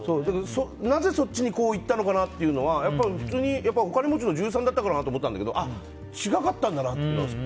なぜそっちにいったのかなっていうのは、普通にお金持ちの女優さんだからかなと思ってたんだけど違かったんだなと思うんです。